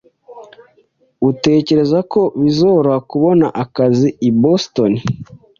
Utekereza ko bizoroha kubona akazi i Boston?